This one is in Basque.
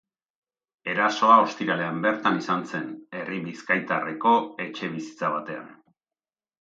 Erasoa ostiralean bertan izan zen, herri bizkaitarreko etxebizitza batean.